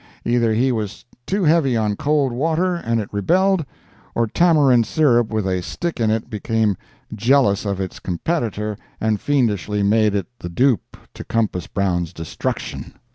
Either he was too heavy on cold water and it rebelled, or tamarind syrup with a stick in it became jealous of its competitor and fiendishly made it the dupe to compass Brown's destruction.